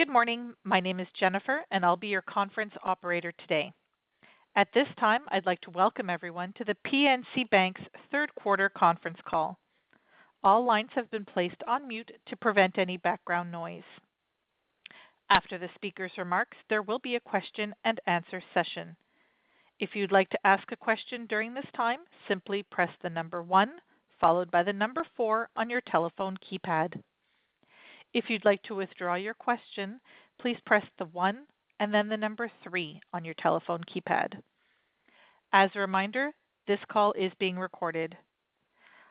Good morning. My name is Jennifer, and I'll be your conference operator today. At this time, I'd like to welcome everyone to the PNC Bank's third quarter conference call. All lines have been placed on mute to prevent any background noise. After the speaker's remarks, there will be a question and answer session. If you'd like to ask a question during this time, simply press the number one followed by the number four on your telephone keypad. If you'd like to withdraw your question, please press the one and then the number three on your telephone keypad. As a reminder, this call is being recorded.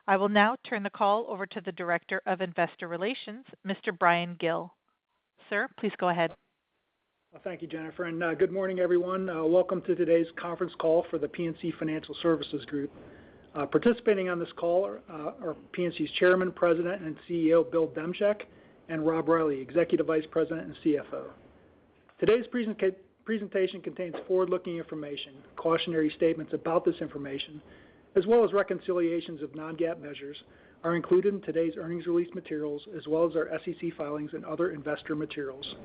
I will now turn the call over to the Director of Investor Relations, Mr. Bryan Gill. Sir, please go ahead. Well, thank you, Jennifer. Good morning, everyone. Welcome to today's conference call for The PNC Financial Services Group. Participating on this call are PNC's Chairman, President, and CEO, Bill Demchak, and Rob Reilly, Executive Vice President and CFO. Today's presentation contains forward-looking information. Cautionary statements about this information, as well as reconciliations of non-GAAP measures, are included in today's earnings release materials, as well as our SEC filings and other investor materials.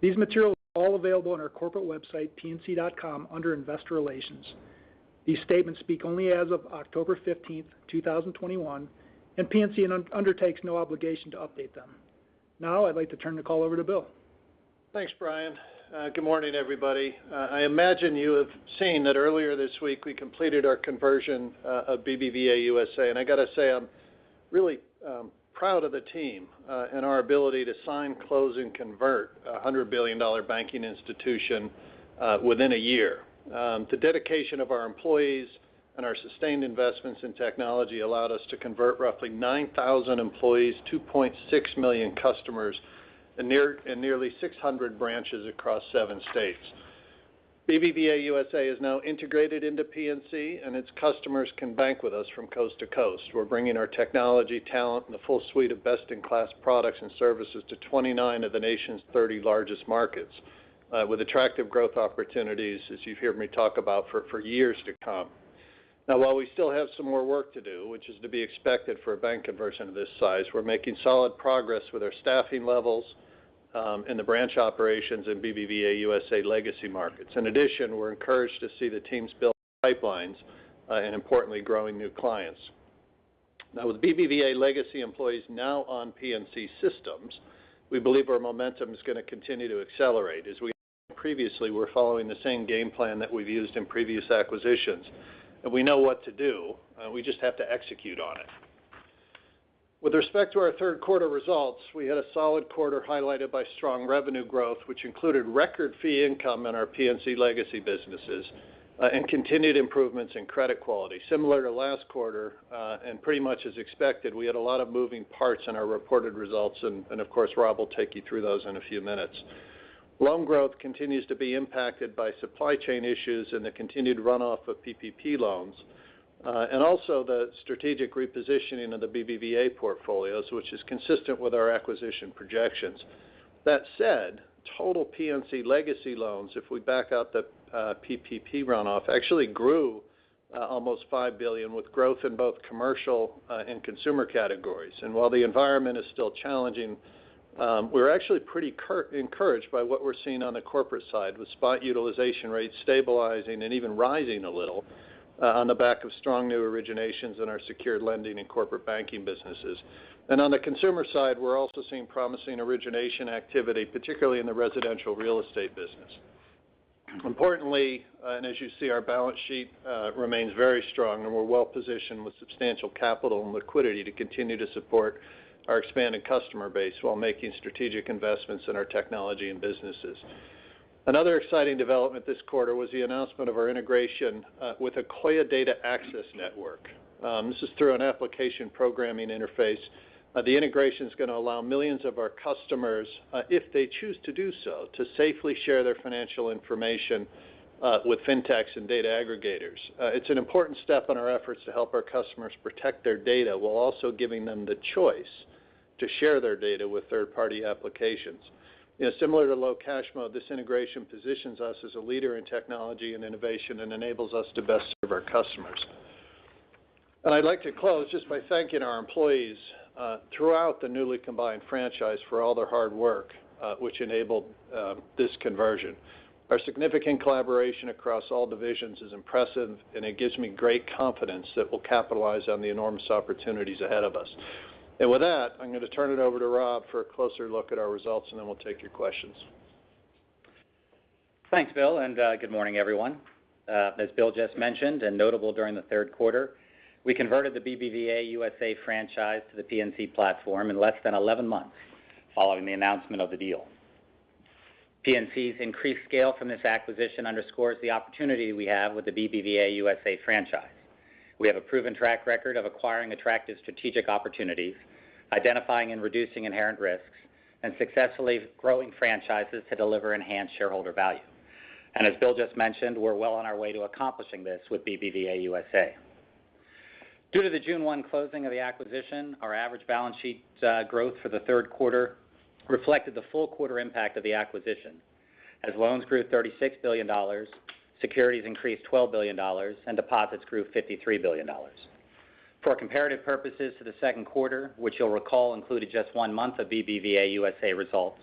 These materials are all available on our corporate website, pnc.com, under Investor Relations. These statements speak only as of October 15th, 2021, and PNC undertakes no obligation to update them. Now, I'd like to turn the call over to Bill. Thanks, Bryan. Good morning, everybody. I imagine you have seen that earlier this week, we completed our conversion of BBVA USA, and I got to say, I'm really proud of the team and our ability to sign, close, and convert a $100 billion banking institution within a year. The dedication of our employees and our sustained investments in technology allowed us to convert roughly 9,000 employees, 2.6 million customers, in nearly 600 branches across seven states. BBVA USA is now integrated into PNC, and its customers can bank with us from coast to coast. We're bringing our technology talent and the full suite of best-in-class products and services to 29 of the nation's 30 largest markets. With attractive growth opportunities, as you've heard me talk about, for years to come. Now, while we still have some more work to do, which is to be expected for a bank conversion of this size, we're making solid progress with our staffing levels and the branch operations in BBVA USA legacy markets. In addition, we're encouraged to see the teams build pipelines, and importantly, growing new clients. Now with BBVA legacy employees now on PNC systems, we believe our momentum is going to continue to accelerate. As we've said previously, we're following the same game plan that we've used in previous acquisitions, and we know what to do. We just have to execute on it. With respect to our third quarter results, we had a solid quarter highlighted by strong revenue growth, which included record fee income in our PNC legacy businesses and continued improvements in credit quality. Similar to last quarter, and pretty much as expected, we had a lot of moving parts in our reported results. Of course, Rob will take you through those in a few minutes. Loan growth continues to be impacted by supply chain issues and the continued runoff of PPP loans. Also, the strategic repositioning of the BBVA portfolios, which is consistent with our acquisition projections. That said, total PNC legacy loans, if we back out the PPP runoff, actually grew almost $5 billion with growth in both commercial and consumer categories. While the environment is still challenging, we're actually pretty encouraged by what we're seeing on the corporate side, with spot utilization rates stabilizing and even rising a little on the back of strong new originations in our secured lending and corporate banking businesses. On the consumer side, we're also seeing promising origination activity, particularly in the residential real estate business. Importantly, as you see, our balance sheet remains very strong, and we're well-positioned with substantial capital and liquidity to continue to support our expanding customer base while making strategic investments in our technology and businesses. Another exciting development this quarter was the announcement of our integration with the Akoya Data Access Network. This is through an application programming interface. The integration's going to allow millions of our customers, if they choose to do so, to safely share their financial information with fintechs and data aggregators. It's an important step in our efforts to help our customers protect their data while also giving them the choice to share their data with third-party applications. Similar to Low Cash Mode, this integration positions us as a leader in technology and innovation and enables us to best serve our customers. I'd like to close just by thanking our employees throughout the newly combined franchise for all their hard work, which enabled this conversion. Our significant collaboration across all divisions is impressive, and it gives me great confidence that we'll capitalize on the enormous opportunities ahead of us. With that, I'm going to turn it over to Rob for a closer look at our results, and then we'll take your questions. Thanks, Bill, and good morning, everyone. As Bill just mentioned, and notable during the third quarter, we converted the BBVA USA franchise to the PNC platform in less than 11 months following the announcement of the deal. PNC's increased scale from this acquisition underscores the opportunity we have with the BBVA USA franchise. We have a proven track record of acquiring attractive strategic opportunities, identifying and reducing inherent risks, and successfully growing franchises to deliver enhanced shareholder value. As Bill just mentioned, we're well on our way to accomplishing this with BBVA USA. Due to the June 1 closing of the acquisition, our average balance sheet growth for the third quarter reflected the full quarter impact of the acquisition. As loans grew $36 billion, securities increased $12 billion, and deposits grew $53 billion. For comparative purposes to the second quarter, which you'll recall included just one month of BBVA USA results,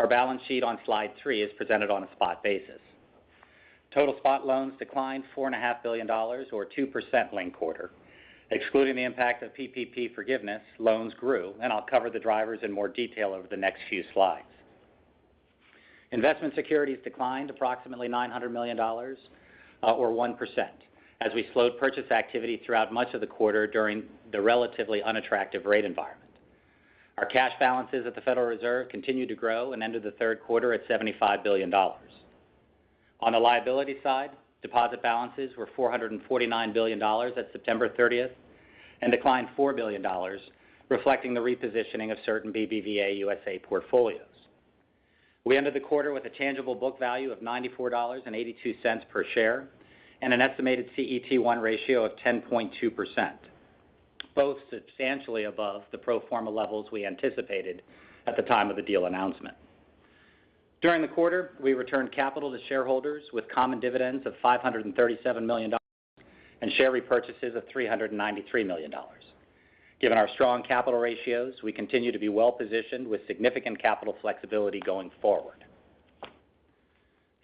our balance sheet on slide three is presented on a spot basis. Total spot loans declined $4.5 billion or 2% linked-quarter. Excluding the impact of PPP forgiveness, loans grew, and I'll cover the drivers in more detail over the next few slides. Investment securities declined approximately $900 million or 1%, as we slowed purchase activity throughout much of the quarter during the relatively unattractive rate environment. Our cash balances at the Federal Reserve continued to grow and ended the third quarter at $75 billion. On the liability side, deposit balances were $449 billion at September 30, and declined $4 billion, reflecting the repositioning of certain BBVA USA portfolios. We ended the quarter with a tangible book value of $94.82 per share and an estimated CET1 ratio of 10.2%, both substantially above the pro forma levels we anticipated at the time of the deal announcement. During the quarter, we returned capital to shareholders with common dividends of $537 million and share repurchases of $393 million. Given our strong capital ratios, we continue to be well-positioned with significant capital flexibility going forward.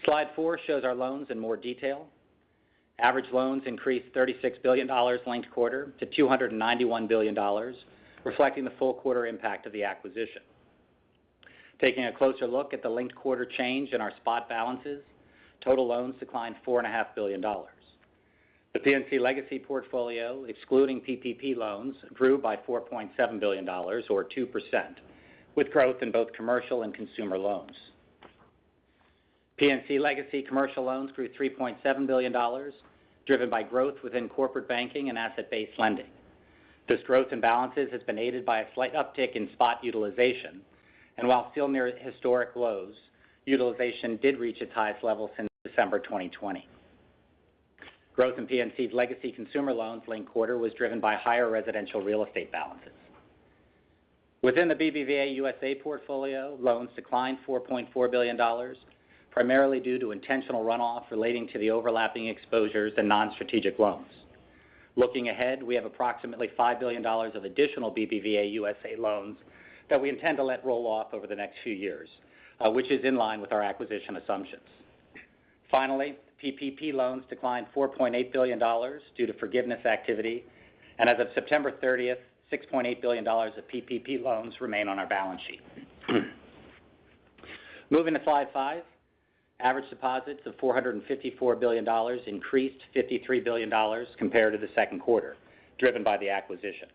Slide four shows our loans in more detail. Average loans increased $36 billion linked quarter to $291 billion, reflecting the full quarter impact of the acquisition. Taking a closer look at the linked quarter change in our spot balances, total loans declined $4.5 billion. The PNC legacy portfolio, excluding PPP loans, grew by $4.7 billion or 2%, with growth in both commercial and consumer loans. PNC legacy commercial loans grew $3.7 billion, driven by growth within corporate banking and asset-based lending. This growth in balances has been aided by a slight uptick in spot utilization, and while still near historic lows, utilization did reach its highest level since December 2020. Growth in PNC's legacy consumer loans linked quarter was driven by higher residential real estate balances. Within the BBVA USA portfolio, loans declined $4.4 billion, primarily due to intentional runoff relating to the overlapping exposures and non-strategic loans. Looking ahead, we have approximately $5 billion of additional BBVA USA loans that we intend to let roll off over the next few years, which is in line with our acquisition assumptions. Finally, PPP loans declined $4.8 billion due to forgiveness activity, and as of September 30th, $6.8 billion of PPP loans remain on our balance sheet. Moving to slide five, average deposits of $454 billion increased $53 billion compared to the second quarter, driven by the acquisition.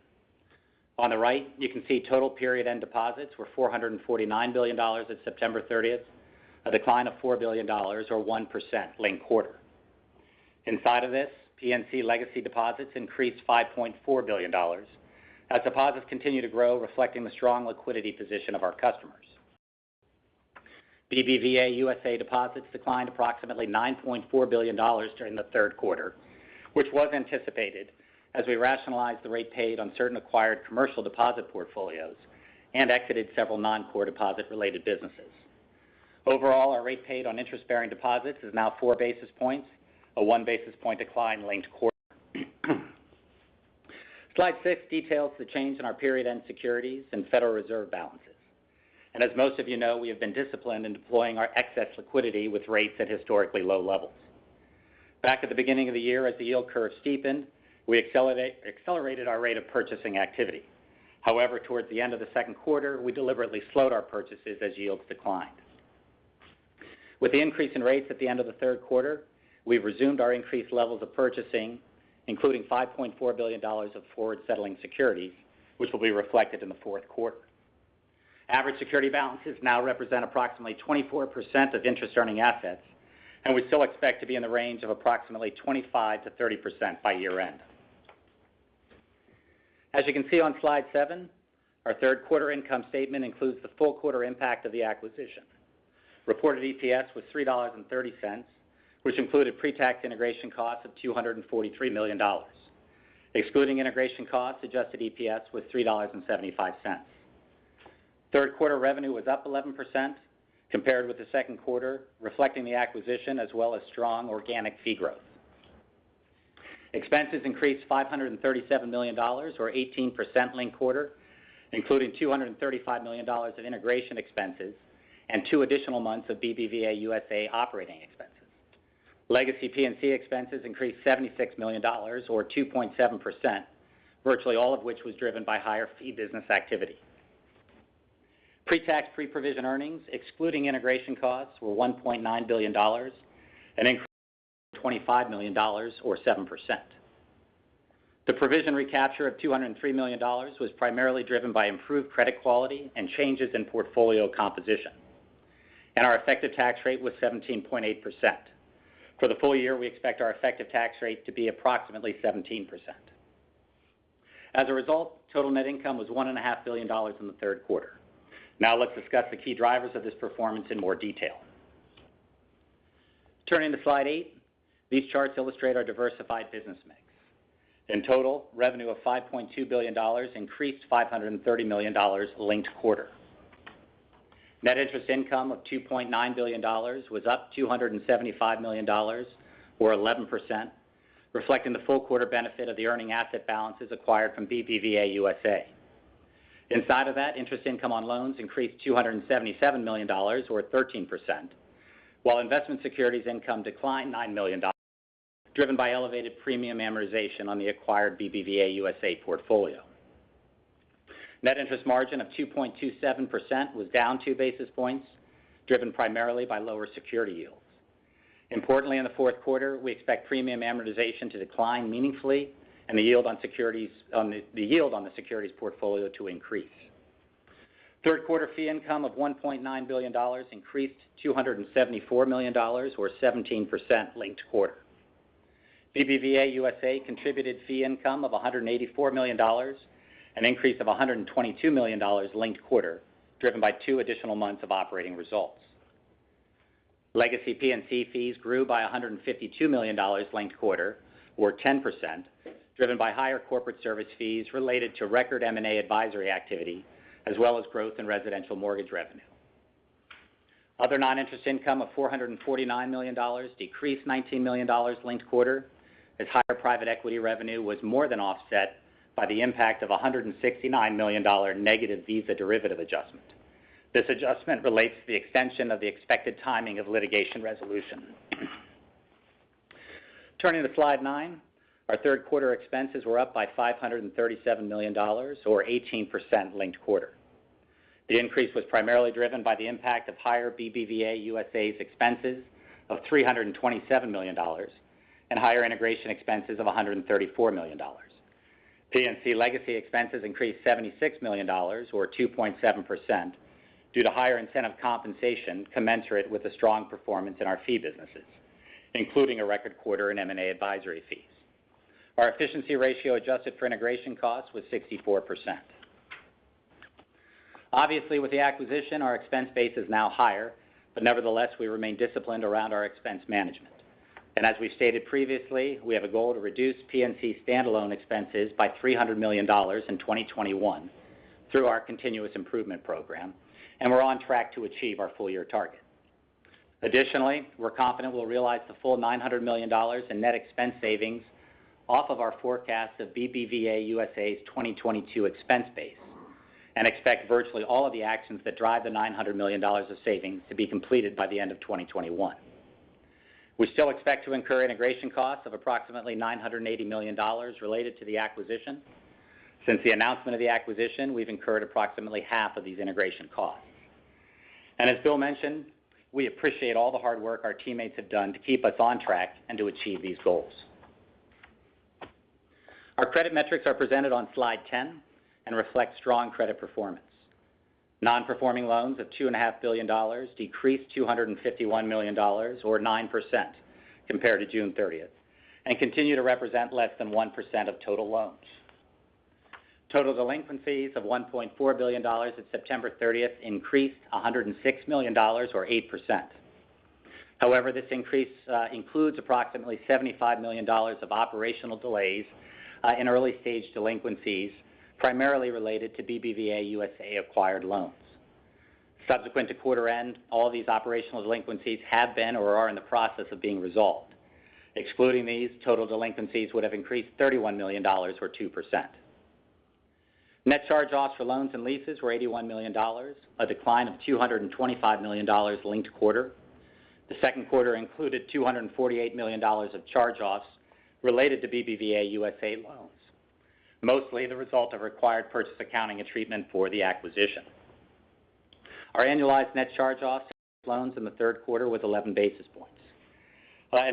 On the right, you can see total period-end deposits were $449 billion at September 30th, a decline of $4 billion or 1% linked quarter. Inside of this, PNC legacy deposits increased $5.4 billion as deposits continue to grow, reflecting the strong liquidity position of our customers. BBVA USA deposits declined approximately $9.4 billion during the third quarter, which was anticipated as we rationalized the rate paid on certain acquired commercial deposit portfolios and exited several non-core deposit related businesses. Overall, our rate paid on interest-bearing deposits is now 4 basis points, a 1 basis point decline linked quarter. Slide six details the change in our period-end securities and Federal Reserve balances. As most of you know, we have been disciplined in deploying our excess liquidity with rates at historically low levels. Back at the beginning of the year, as the yield curve steepened, we accelerated our rate of purchasing activity. Towards the end of the second quarter, we deliberately slowed our purchases as yields declined. With the increase in rates at the end of the third quarter, we've resumed our increased levels of purchasing, including $5.4 billion of forward settling securities, which will be reflected in the fourth quarter. Average security balances now represent approximately 24% of interest earning assets, and we still expect to be in the range of approximately 25%-30% by year end. As you can see on slide seven, our third quarter income statement includes the full quarter impact of the acquisition. Reported EPS was $3.30, which included pre-tax integration costs of $243 million. Excluding integration costs, adjusted EPS was $3.75. Third quarter revenue was up 11% compared with the second quarter, reflecting the acquisition as well as strong organic fee growth. Expenses increased $537 million or 18% linked quarter, including $235 million of integration expenses and two additional months of BBVA USA operating expenses. Legacy PNC expenses increased $76 million or 2.7%, virtually all of which was driven by higher fee business activity. Pre-tax pre-provision earnings, excluding integration costs, were $1.9 billion, an increase of $125 million or 7%. The provision recapture of $203 million was primarily driven by improved credit quality and changes in portfolio composition. Our effective tax rate was 17.8%. For the full year, we expect our effective tax rate to be approximately 17%. As a result, total net income was $1.5 billion in the third quarter. Now let's discuss the key drivers of this performance in more detail. Turning to slide eight, these charts illustrate our diversified business mix. In total, revenue of $5.2 billion increased $530 million linked quarter. Net interest income of $2.9 billion was up $275 million or 11%, reflecting the full quarter benefit of the earning asset balances acquired from BBVA USA. Inside of that, interest income on loans increased $277 million or 13%, while investment securities income declined $9 million, driven by elevated premium amortization on the acquired BBVA USA portfolio. Net interest margin of 2.27% was down 2 basis points, driven primarily by lower security yields. Importantly, in the fourth quarter, we expect premium amortization to decline meaningfully and the yield on the securities portfolio to increase. Third quarter fee income of $1.9 billion increased $274 million or 17% linked quarter. BBVA USA contributed fee income of $184 million, an increase of $122 million linked quarter, driven by two additional months of operating results. Legacy PNC fees grew by $152 million linked quarter, or 10%, driven by higher corporate service fees related to record M&A advisory activity, as well as growth in residential mortgage revenue. Other non-interest income of $449 million decreased $19 million linked quarter, as higher private equity revenue was more than offset by the impact of a $169 million negative Visa derivative adjustment. This adjustment relates to the extension of the expected timing of litigation resolution. Turning to slide 9. Our third quarter expenses were up by $537 million, or 18% linked quarter. The increase was primarily driven by the impact of higher BBVA USA's expenses of $327 million and higher integration expenses of $134 million. PNC legacy expenses increased $76 million, or 2.7%, due to higher incentive compensation commensurate with the strong performance in our fee businesses, including a record quarter in M&A advisory fees. Our efficiency ratio adjusted for integration costs was 64%. Obviously, with the acquisition, our expense base is now higher, but nevertheless, we remain disciplined around our expense management. As we've stated previously, we have a goal to reduce PNC standalone expenses by $300 million in 2021 through our continuous improvement program, and we're on track to achieve our full year target. Additionally, we're confident we'll realize the full $900 million in net expense savings off of our forecast of BBVA USA's 2022 expense base, and expect virtually all of the actions that drive the $900 million of savings to be completed by the end of 2021. We still expect to incur integration costs of approximately $980 million related to the acquisition. Since the announcement of the acquisition, we've incurred approximately half of these integration costs. As Bill mentioned, we appreciate all the hard work our teammates have done to keep us on track and to achieve these goals. Our credit metrics are presented on slide 10 and reflect strong credit performance. Non-performing loans of $2.5 billion decreased $251 million or 9% compared to June 30th, and continue to represent less than 1% of total loans. Total delinquencies of $1.4 billion at September 30th increased $106 million or 8%. This increase includes approximately $75 million of operational delays in early stage delinquencies, primarily related to BBVA USA acquired loans. Subsequent to quarter end, all these operational delinquencies have been or are in the process of being resolved. Excluding these, total delinquencies would have increased $31 million or 2%. Net charge-offs for loans and leases were $81 million, a decline of $225 million linked quarter. The second quarter included $248 million of charge-offs related to BBVA USA loans, mostly the result of required purchase accounting and treatment for the acquisition. Our annualized net charge-offs loans in the third quarter was 11 basis points.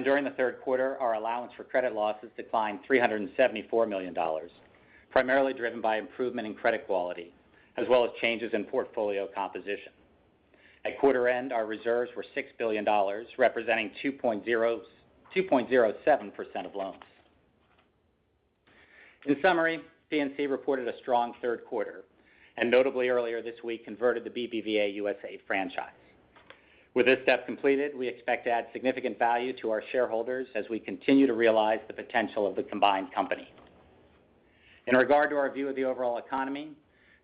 During the third quarter, our allowance for credit losses declined $374 million, primarily driven by improvement in credit quality, as well as changes in portfolio composition. At quarter end, our reserves were $6 billion, representing 2.07% of loans. In summary, PNC reported a strong third quarter, and notably earlier this week converted the BBVA USA franchise. With this step completed, we expect to add significant value to our shareholders as we continue to realize the potential of the combined company. In regard to our view of the overall economy,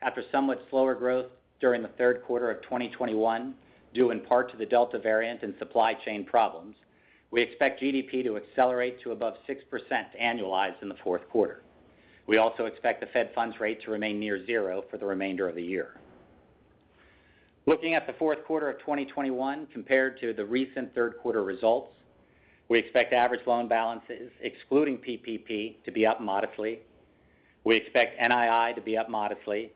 after somewhat slower growth during the third quarter of 2021, due in part to the Delta variant and supply chain problems, we expect GDP to accelerate to above 6% annualized in the fourth quarter. We also expect the Fed funds rate to remain near zero for the remainder of the year. Looking at the fourth quarter of 2021 compared to the recent third quarter results, we expect average loan balances, excluding PPP, to be up modestly. We expect NII to be up modestly.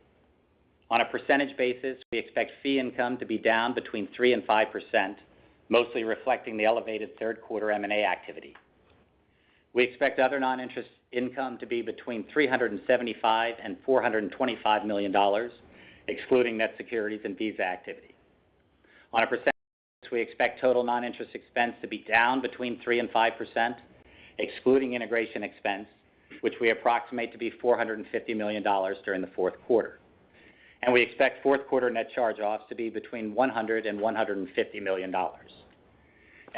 On a percentage basis, we expect fee income to be down between 3% and 5%, mostly reflecting the elevated third quarter M&A activity. We expect other non-interest income to be between $375 million and $425 million, excluding net securities and Visa activity. On a percentage, we expect total non-interest expense to be down between 3% and 5%, excluding integration expense, which we approximate to be $450 million during the fourth quarter. We expect fourth quarter net charge-offs to be between $100 and $150 million.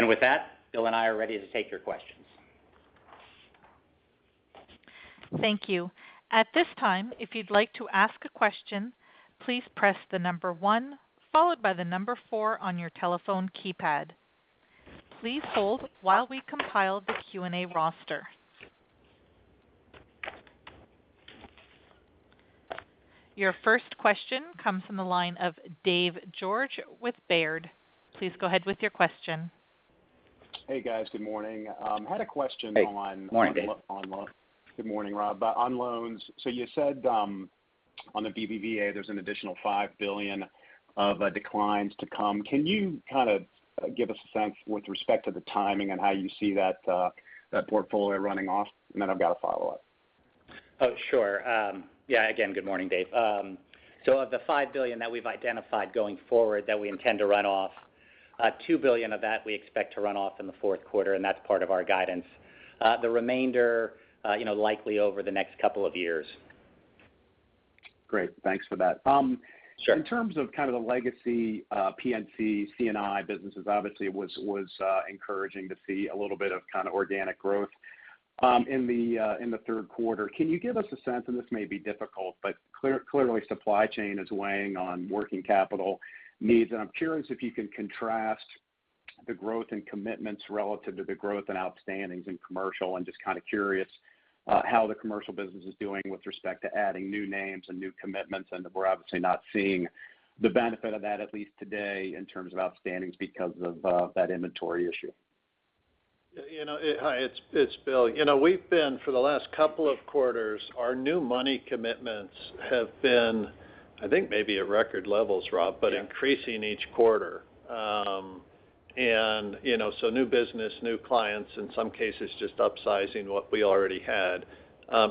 With that, Bill and I are ready to take your questions. Thank you. At this time if you like to ask question, please press the number one followed by the number four on your telephone keypad. Please hold while we compile the Q&A roster. Your first question comes from the line of Dave George with Baird. Please go ahead with your question. Hey, guys. Good morning. I had a question on. Hey. Morning, Dave. Good morning, Rob. On loans. You said on the BBVA, there's an additional $5 billion of declines to come. Can you kind of give us a sense with respect to the timing and how you see that portfolio running off? I've got a follow-up. Oh, sure. Yeah, again, good morning, Dave. Of the $5 billion that we've identified going forward that we intend to run off, $2 billion of that we expect to run off in the fourth quarter, and that's part of our guidance. The remainder, likely over the next two years. Great. Thanks for that. Sure. In terms of kind of the legacy PNC C&I businesses, obviously it was encouraging to see a little bit of kind of organic growth in the third quarter. Can you give us a sense, and this may be difficult, but clearly supply chain is weighing on working capital needs, and I'm curious if you can contrast the growth in commitments relative to the growth in outstandings in commercial, and just kind of curious how the commercial business is doing with respect to adding new names and new commitments. And that we're obviously not seeing the benefit of that, at least today, in terms of outstandings because of that inventory issue? Hi, it's Bill. For the last couple of quarters, our new money commitments have been, I think, maybe at record levels, Rob. Yeah Increasing each quarter, new business, new clients, in some cases just upsizing what we already had.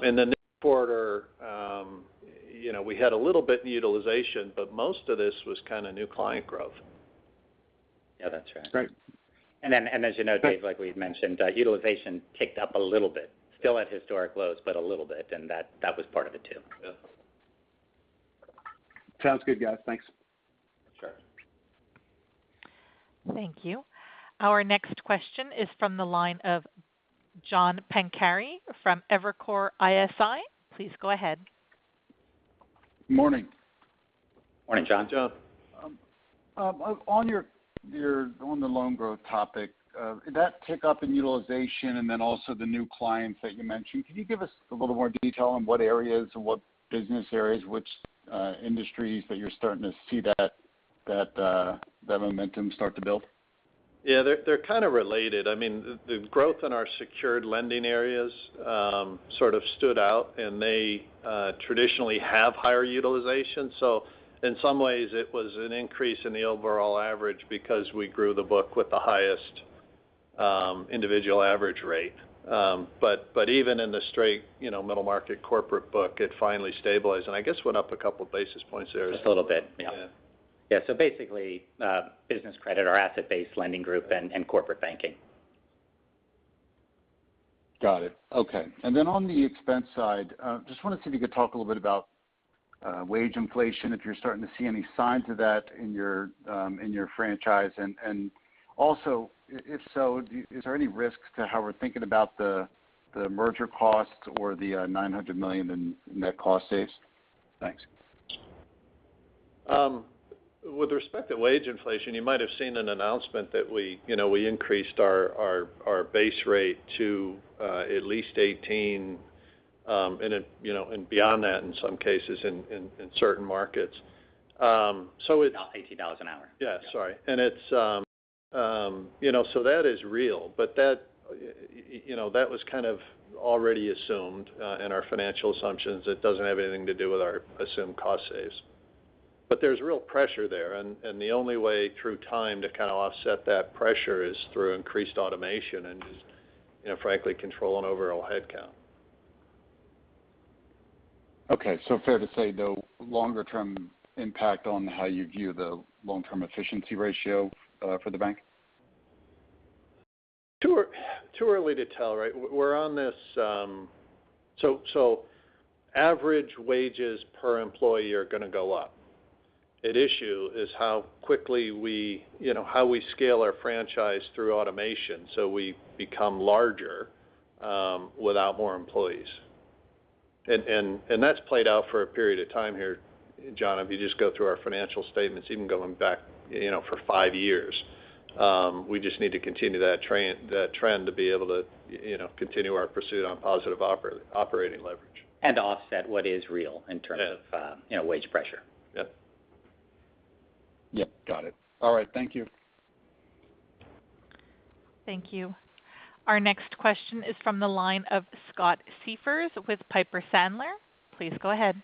In the new quarter, we had a little bit in utilization, but most of this was kind of new client growth. Yeah, that's right. Great. As you know, Dave, like we had mentioned, utilization ticked up a little bit. Still at historic lows, but a little bit, that was part of it too. Yeah. Sounds good, guys. Thanks. Sure. Thank you. Our next question is from the line of John Pancari from Evercore ISI. Please go ahead. Morning. Morning, John. John. On the loan growth topic, that tick up in utilization and then also the new clients that you mentioned, can you give us a little more detail on what areas and what business areas, which industries that you're starting to see that momentum start to build? Yeah, they're kind of related. I mean, the growth in our secured lending areas sort of stood out. They traditionally have higher utilization. In some ways it was an increase in the overall average because we grew the book with the highest individual average rate. Even in the straight middle market corporate book, it finally stabilized, and I guess went up a couple basis points there. Just a little bit. Yeah. Yeah. Yeah. Basically, business credit or asset-based lending group and corporate banking. Got it. Okay. On the expense side, just wanted to see if you could talk a little bit about wage inflation, if you're starting to see any signs of that in your franchise. If so, is there any risk to how we're thinking about the merger costs or the $900 million in net cost saves? Thanks. With respect to wage inflation, you might've seen an announcement that we increased our base rate to at least $18, and beyond that in some cases in certain markets. About $18 an hour. Yeah, sorry. That is real. That was kind of already assumed in our financial assumptions. It doesn't have anything to do with our assumed cost saves. There's real pressure there, and the only way through time to kind of offset that pressure is through increased automation and just, frankly, controlling overall headcount. Okay. Fair to say, though, longer-term impact on how you view the long-term efficiency ratio for the bank? Too early to tell. Average wages per employee are going to go up. At issue is how we scale our franchise through automation so we become larger without more employees. That's played out for a period of time here, John. If you just go through our financial statements, even going back for five years. We just need to continue that trend to be able to continue our pursuit on positive operating leverage. To offset what is real in terms of wage pressure. Yep. Yep, got it. All right. Thank you. Thank you. Our next question is from the line of Scott Siefers with Piper Sandler. Please go ahead.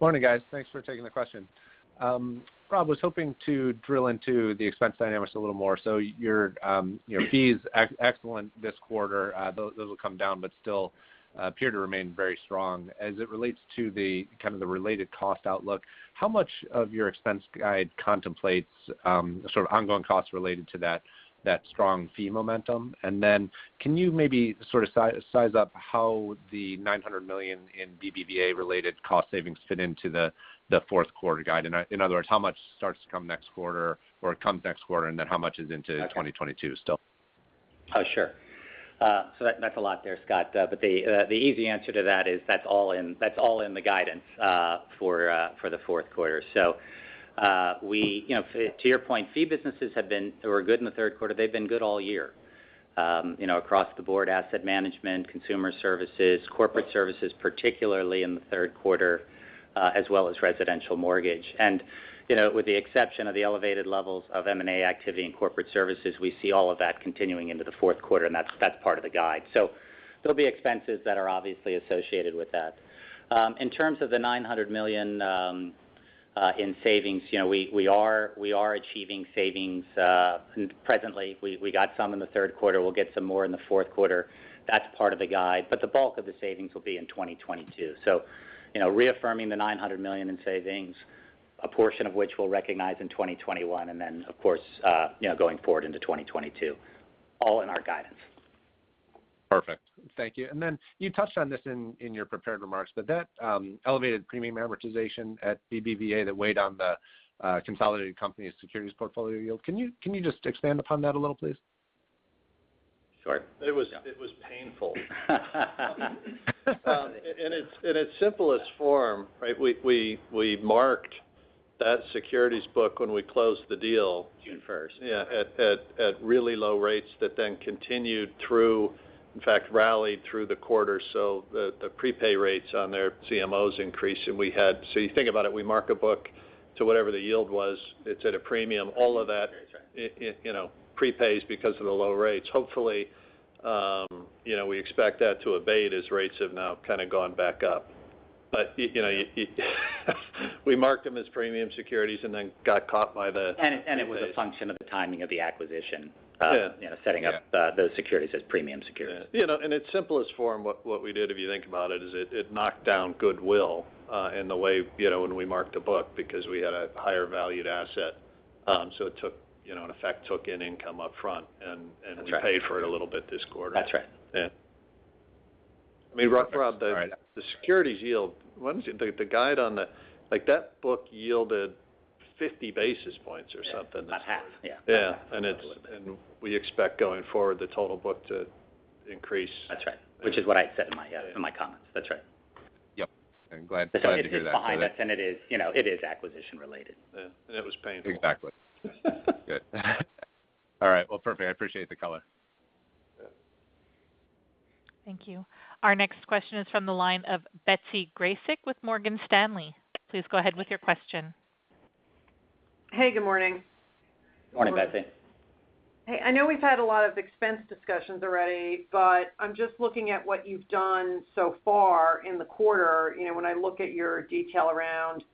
Morning, guys. Thanks for taking the question. Rob, was hoping to drill into the expense dynamics a little more. Your fees, excellent this quarter. Those will come down but still appear to remain very strong. As it relates to the kind of the related cost outlook, how much of your expense guide contemplates sort of ongoing costs related to that strong fee momentum? Can you maybe sort of size up how the $900 million in BBVA-related cost savings fit into the fourth quarter guide? In other words, how much starts to come next quarter, or it comes next quarter, and then how much is into 2022 still? Sure. That's a lot there, Scott. The easy answer to that is that's all in the guidance for the fourth quarter. To your point, fee businesses were good in the third quarter. They've been good all year. Across the board, asset management, consumer services, corporate services, particularly in the third quarter, as well as residential mortgage. With the exception of the elevated levels of M&A activity in corporate services, we see all of that continuing into the fourth quarter, and that's part of the guide. There'll be expenses that are obviously associated with that. In terms of the $900 million in savings, we are achieving savings presently. We got some in the third quarter. We'll get some more in the fourth quarter. That's part of the guide. The bulk of the savings will be in 2022. Reaffirming the $900 million in savings, a portion of which we'll recognize in 2021, and then of course going forward into 2022, all in our guidance. Perfect. Thank you. You touched on this in your prepared remarks, but that elevated premium amortization at BBVA that weighed on the consolidated company's securities portfolio yield, can you just expand upon that a little, please? Sure. It was painful. In its simplest form, we marked that securities book when we closed the deal- June 1st At really low rates that continued through, in fact rallied through the quarter. The prepay rates on their CMOs increased. You think about it, we mark a book to whatever the yield was. It's at a premium. All of that prepays because of the low rates. Hopefully, we expect that to abate as rates have now kind of gone back up. We marked them as premium securities. It was a function of the timing of the acquisition- Yeah setting up those securities as premium securities. Yeah. In its simplest form, what we did, if you think about it, is it knocked down goodwill in the way when we marked the book because we had a higher valued asset. It in effect took in income upfront. That's right. we paid for it a little bit this quarter. That's right. Yeah. Okay. All right. Rob, the securities yield, that book yielded 50 basis points or something. About half, yeah. Yeah. About half. We expect going forward the total book to increase. That's right. Which is what I said in my comments. That's right. Yep. I'm glad to hear that. It is behind us, and it is acquisition related. Yeah. It was painful. Exactly. Good. All right. Well, perfect. I appreciate the color. Yeah. Thank you. Our next question is from the line of Betsy Graseck with Morgan Stanley. Please go ahead with your question. Hey, good morning. Morning, Betsy. Hey. I know we've had a lot of expense discussions already. I'm just looking at what you've done so far in the quarter. When I look at your detail around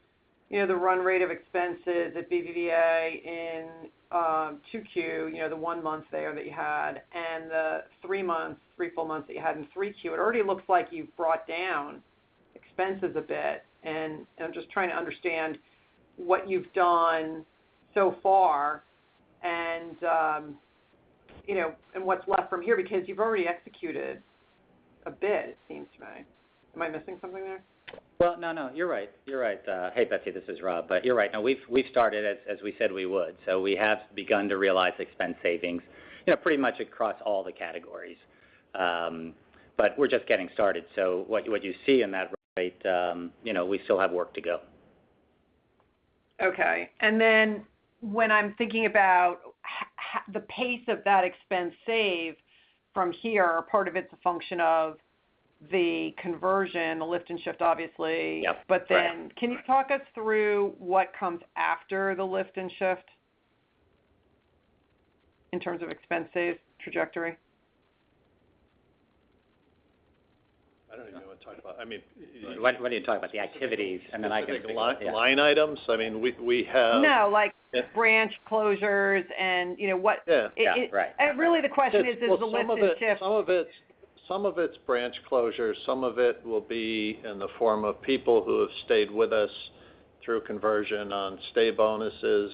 the run rate of expenses at BBVA in 2Q, the one month there that you had, and the three full months that you had in 3Q, it already looks like you've brought down expenses a bit. I'm just trying to understand what you've done so far and what's left from here because you've already executed a bit, it seems to me. Am I missing something there? No. You're right. Hey, Betsy, this is Rob. You're right. We've started as we said we would. We have begun to realize expense savings pretty much across all the categories. We're just getting started. What you see in that rate, we still have work to go. Okay. When I'm thinking about the pace of that expense save from here, part of it's a function of the conversion, the lift and shift, obviously. Yep. Correct. Can you talk us through what comes after the lift and shift in terms of expense save trajectory? I don't even know what I'm talking about. What are you talking about? The activities, and then I can- The line items? No, like branch closures. Yeah. Yeah. Right. Really the question is, does the lift and shift? Some of it's branch closures. Some of it will be in the form of people who have stayed with us through conversion on stay bonuses.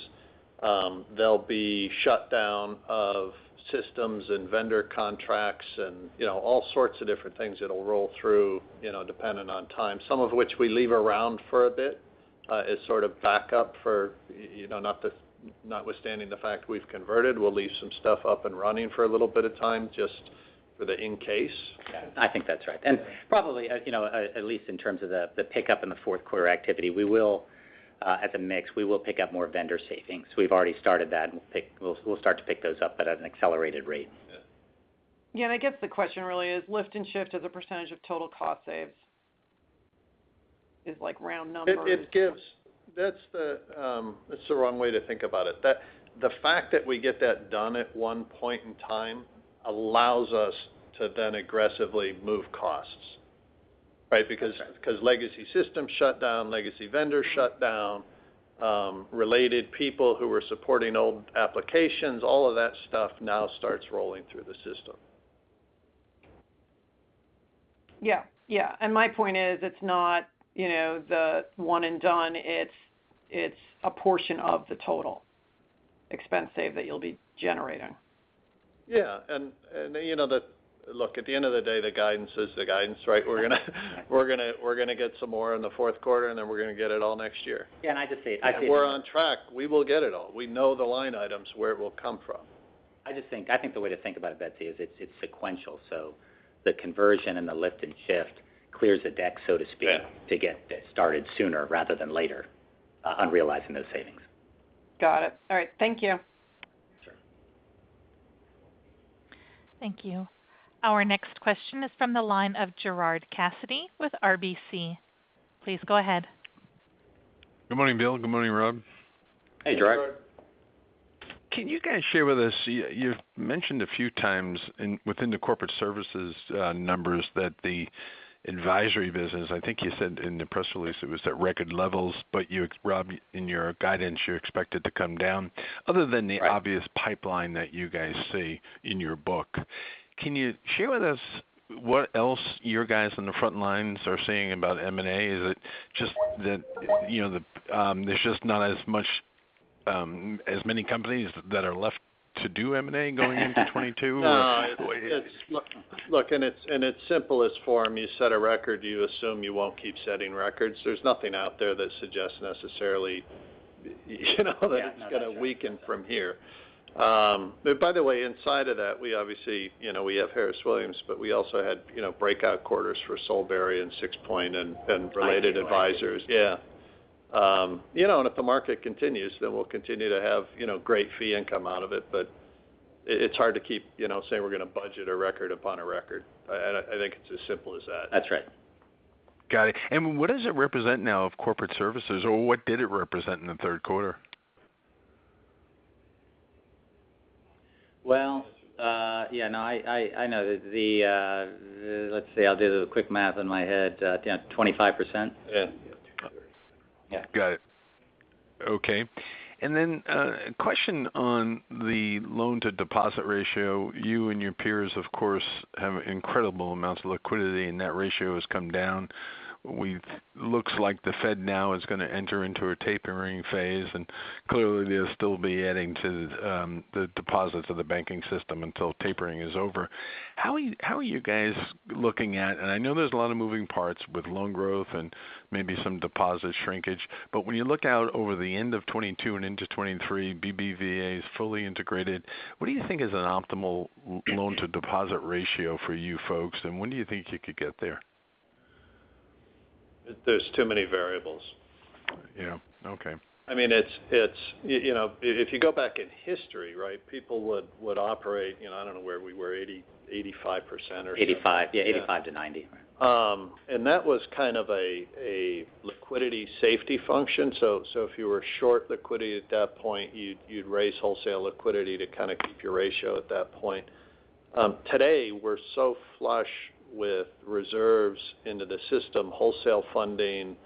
There'll be shut down of systems and vendor contracts and all sorts of different things that'll roll through dependent on time. Some of which we leave around for a bit as sort of backup for, notwithstanding the fact we've converted, we'll leave some stuff up and running for a little bit of time just for the in case. Yeah, I think that's right. Probably, at least in terms of the pickup in the fourth quarter activity, at the mix, we will pick up more vendor savings. We've already started that, and we'll start to pick those up but at an accelerated rate. Yeah. Yeah, I guess the question really is lift and shift as a percentage of total cost saves is like round numbers. That's the wrong way to think about it. The fact that we get that done at one point in time allows us to then aggressively move costs. Because legacy systems shut down, legacy vendors shut down, related people who were supporting old applications, all of that stuff now starts rolling through the system. Yeah. My point is it's not the one and done. It's a portion of the total expense save that you'll be generating. Yeah. Look, at the end of the day, the guidance is the guidance, right? We're going to get some more in the fourth quarter, and then we're going to get it all next year. Yeah, I just see it. I see it. If we're on track, we will get it all. We know the line items where it will come from. I think the way to think about it, Betsy, is it's sequential. The conversion and the lift and shift clears the deck, so to speak. Yeah to get started sooner rather than later on realizing those savings. Got it. All right. Thank you. Sure. Thank you. Our next question is from the line of Gerard Cassidy with RBC. Please go ahead. Good morning, Bill. Good morning, Rob. Hey, Gerard. Hey, Gerard. Can you guys share with us, you've mentioned a few times within the Corporate Services numbers that the advisory business, I think you said in the press release it was at record levels, but Rob, in your guidance, you expect it to come down. Other than the- Right obvious pipeline that you guys see in your book, can you share with us what else your guys on the front lines are seeing about M&A? Is it just that there's just not as many companies that are left to do M&A going into 2022? Look, in its simplest form, you set a record, you assume you won't keep setting records. There's nothing out there that suggests necessarily, that it's going to weaken from here. By the way, inside of that, we obviously have Harris Williams, but we also had breakout quarters for Solebury and Sixpoint and related advisors. IP. Yeah. If the market continues, then we'll continue to have great fee income out of it. It's hard to keep saying we're going to budget a record upon a record. I think it's as simple as that. That's right. Got it. What does it represent now of corporate services, or what did it represent in the third quarter? Well, I know that. Let's see, I'll do the quick math in my head. Done, 25%? Yeah. Yeah. Got it. Okay. A question on the loan-to-deposit ratio. You and your peers, of course, have incredible amounts of liquidity, and that ratio has come down. It looks like the Fed now is going to enter into a tapering phase, and clearly they'll still be adding to the deposits of the banking system until tapering is over. How are you guys looking at, and I know there's a lot of moving parts with loan growth and maybe some deposit shrinkage, but when you look out over the end of 2022 and into 2023, BBVA is fully integrated. What do you think is an optimal loan-to-deposit ratio for you folks, and when do you think you could get there? There's too many variables. Yeah. Okay. If you go back in history, right, people would operate, I don't know where we were 80%, 85%. Yeah, 85%-90%. That was kind of a liquidity safety function. If you were short liquidity at that point, you'd raise wholesale liquidity to kind of keep your ratio at that point. Today, we're so flush with reserves into the system, wholesale funding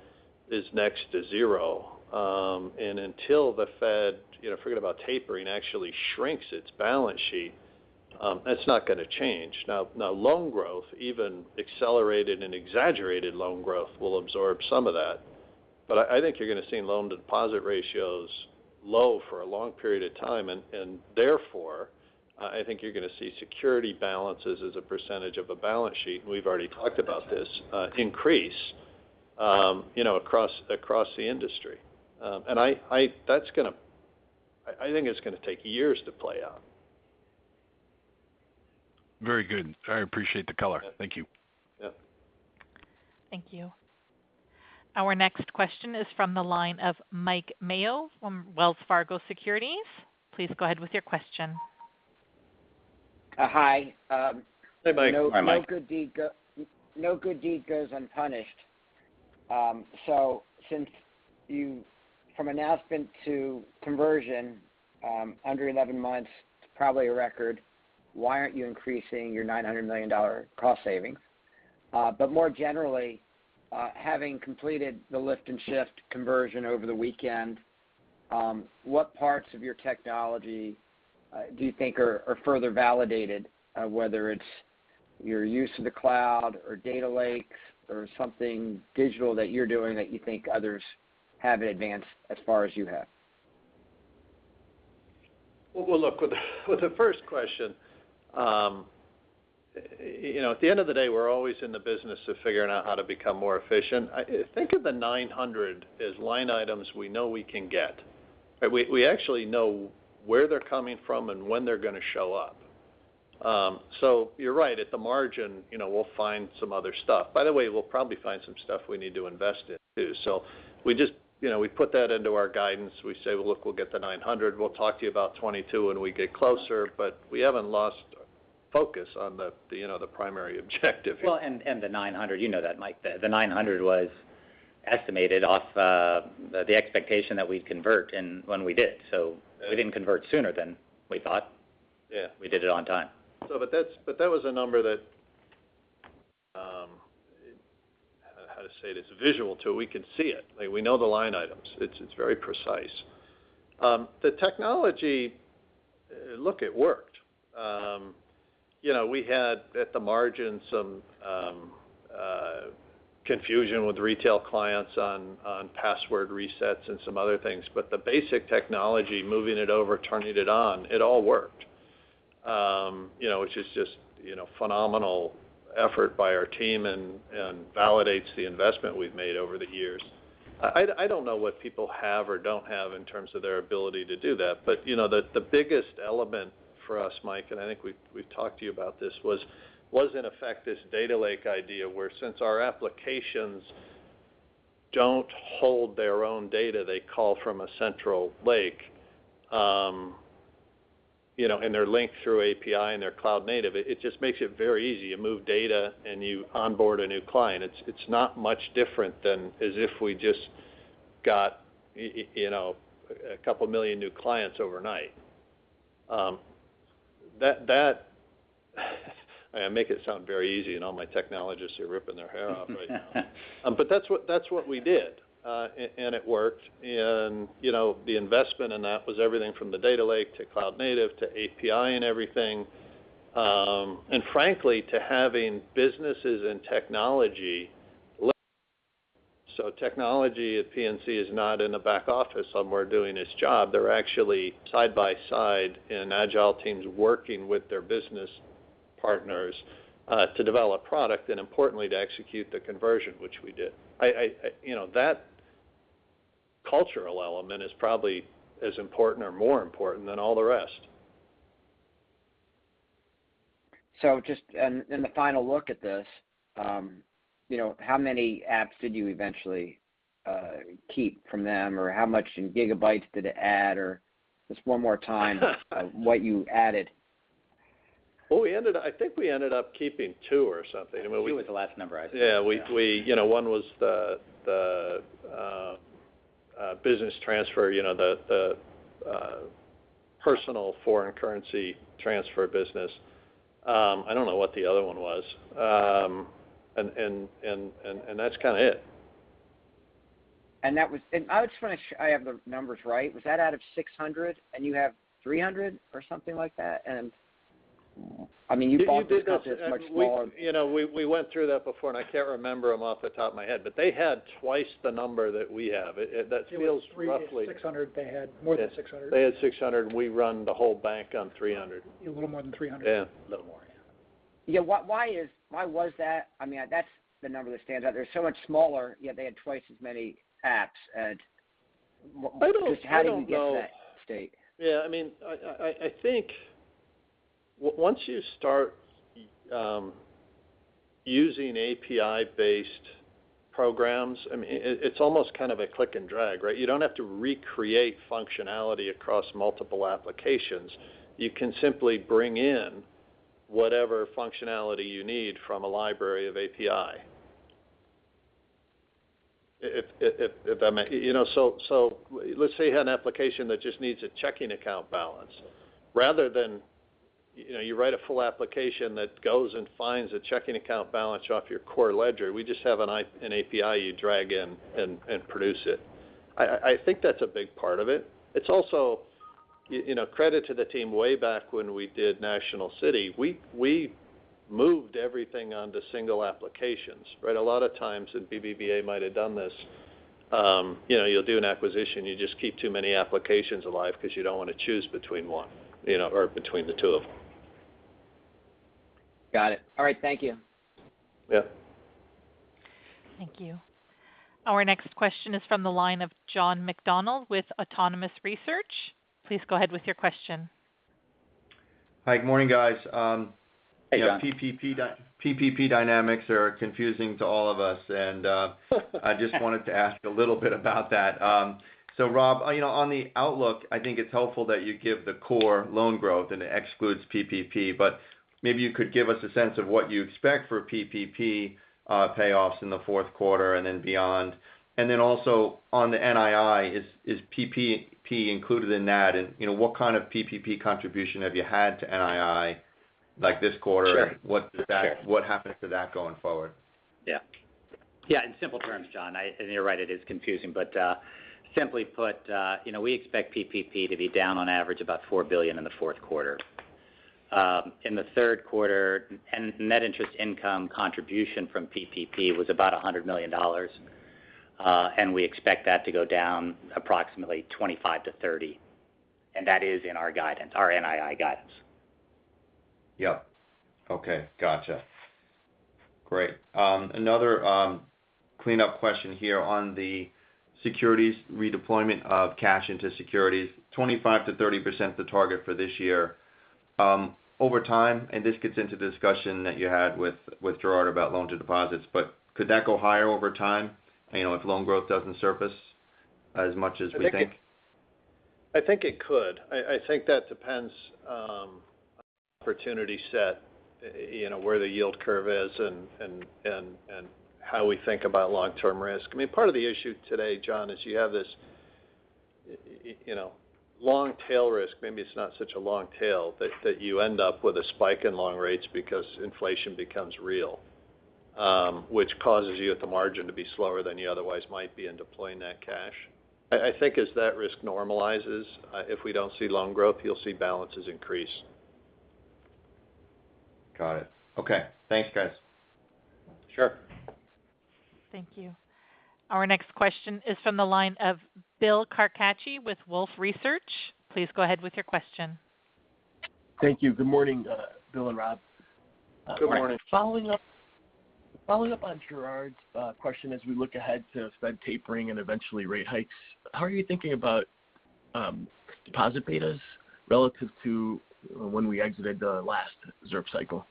is next to zero. Until the Fed, forget about tapering, actually shrinks its balance sheet, that's not going to change. Loan growth, even accelerated and exaggerated loan growth, will absorb some of that. I think you're going to see loan-to-deposit ratios low for a long period of time, and therefore, I think you're going to see security balances as a percentage of a balance sheet, and we've already talked about this, increase across the industry. I think it's going to take years to play out. Very good. I appreciate the color. Thank you. Yeah. Thank you. Our next question is from the line of Mike Mayo from Wells Fargo Securities. Please go ahead with your question. Hi. Hey, Mike. Hi, Mike. No good deed goes unpunished. Since you, from announcement to conversion, under 11 months, it's probably a record, why aren't you increasing your $900 million cost savings? More generally, having completed the lift and shift conversion over the weekend, what parts of your technology do you think are further validated, whether it's your use of the cloud or data lakes or something digital that you're doing that you think others haven't advanced as far as you have? Well, look, with the first question, at the end of the day, we're always in the business of figuring out how to become more efficient. Think of the $900 million as line items we know we can get. We actually know where they're coming from and when they're going to show up. You're right, at the margin, we'll find some other stuff. By the way, we'll probably find some stuff we need to invest in, too. We put that into our guidance. We say, "Well, look, we'll get the $900 million. We'll talk to you about 2022 when we get closer," but we haven't lost focus on the primary objective here. Well, the $900 million, you know that, Mike, the $900 million was estimated off the expectation that we'd convert, and when we did. We didn't convert sooner than we thought. Yeah. We did it on time. That was a number that, how to say this, visual too. We can see it. We know the line items. It's very precise. The technology, look, it worked. We had, at the margin, some confusion with retail clients on password resets and some other things. The basic technology, moving it over, turning it on, it all worked. Which is just phenomenal effort by our team and validates the investment we've made over the years. I don't know what people have or don't have in terms of their ability to do that. The biggest element for us, Mike, and I think we've talked to you about this, was in effect, this data lake idea where since our applications don't hold their own data, they call from a central lake. They're linked through API and they're cloud native. It just makes it very easy. You move data and you onboard a new client. It's not much different than as if we just got a couple million new clients overnight. I make it sound very easy, and all my technologists are ripping their hair off right now. That's what we did. It worked. The investment in that was everything from the data lake to cloud native to API and everything. Frankly, to having businesses and technology linked. Technology at PNC is not in the back office somewhere doing its job. They're actually side by side in agile teams working with their business partners to develop product, and importantly, to execute the conversion, which we did. That cultural element is probably as important or more important than all the rest. Just in the final look at this, how many apps did you eventually keep from them? How much in gigabytes did it add? Just one more time, what you added? Well, I think we ended up keeping two or something. Two was the last number I heard, yeah. Yeah. One was the business transfer, the personal foreign currency transfer business. I don't know what the other one was. That's kind of it. I just want to make sure I have the numbers right. Was that out of 600, and you have 300 or something like that? You bought this company that's much smaller. We went through that before, and I can't remember them off the top of my head, but they had twice the number that we have. It was 300-600. They had more than 600. They had 600. We run the whole bank on 300. A little more than 300. Yeah. A little more, yeah. Why was that? That's the number that stands out. They're so much smaller, yet they had twice as many apps. Just how do you get to that state? I don't know. Yeah. I think once you start using API-based programs, it's almost a click and drag. You don't have to recreate functionality across multiple applications. You can simply bring in whatever functionality you need from a library of API. Let's say you had an application that just needs a checking account balance. Rather than you write a full application that goes and finds a checking account balance off your core ledger, we just have an API you drag in and produce it. I think that's a big part of it. It's also credit to the team. Way back when we did National City, we moved everything onto single applications. A lot of times, and BBVA might have done this, you'll do an acquisition, you just keep too many applications alive because you don't want to choose between one or between the two of them. Got it. All right. Thank you. Yeah. Thank you. Our next question is from the line of John McDonald with Autonomous Research. Please go ahead with your question. Hi. Good morning, guys. Hey, John. PPP dynamics are confusing to all of us, I just wanted to ask a little bit about that. Rob, on the outlook, I think it's helpful that you give the core loan growth and it excludes PPP, but maybe you could give us a sense of what you expect for PPP payoffs in the fourth quarter and then beyond. Also on the NII, is PPP included in that? What kind of PPP contribution have you had to NII, like this quarter? Sure. What happens to that going forward? Yeah. In simple terms, John, you are right, it is confusing, but simply put, we expect PPP to be down on average about $4 billion in the fourth quarter. In the third quarter, net interest income contribution from PPP was about $100 million. We expect that to go down approximately $25 million-$30 million, and that is in our guidance, our NII guidance. Yep. Okay. Gotcha. Great. Another cleanup question here on the securities redeployment of cash into securities, 25%-30% is the target for this year. Over time, and this gets into the discussion that you had with Gerard about loan to deposits, but could that go higher over time if loan growth doesn't surface as much as we think? I think it could. I think that depends on the opportunity set, where the yield curve is and how we think about long-term risk. Part of the issue today, John, is you have this long tail risk. Maybe it's not such a long tail, but that you end up with a spike in long rates because inflation becomes real, which causes you at the margin to be slower than you otherwise might be in deploying that cash. I think as that risk normalizes, if we don't see loan growth, you'll see balances increase. Got it. Okay. Thanks, guys. Sure. Thank you. Our next question is from the line of Bill Carcache with Wolfe Research. Please go ahead with your question. Thank you. Good morning, Bill and Rob. Good morning. Following up on Gerard's question, as we look ahead to Fed tapering and eventually rate hikes, how are you thinking about deposit betas relative to when we exited the last reserve cycle?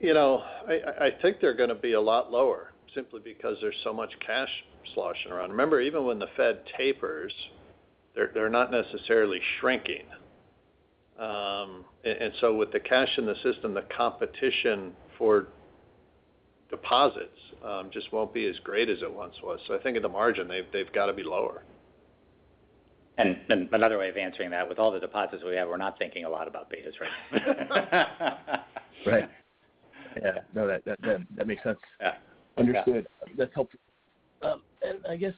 I think they're going to be a lot lower simply because there's so much cash sloshing around. Remember, even when the Fed tapers, they're not necessarily shrinking. With the cash in the system, the competition for deposits just won't be as great as it once was. I think at the margin, they've got to be lower. Another way of answering that, with all the deposits we have, we're not thinking a lot about betas right now. Right. Yeah. No, that makes sense. Yeah. Understood. That's helpful. I guess